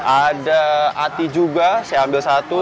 ada ati juga saya ambil satu